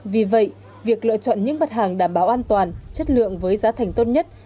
vì vậy việc lựa chọn những mặt hàng đảm bảo an toàn chất lượng với giá thành tốt nhất